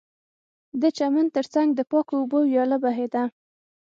د چمن ترڅنګ به د پاکو اوبو ویاله بهېده